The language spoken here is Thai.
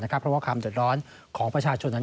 เพราะว่าความเดือดร้อนของประชาชนนั้น